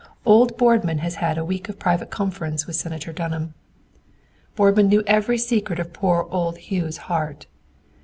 Old Boardman has had a week of private conference with Senator Dunham. "Boardman knew every secret of poor old Hugh's heart.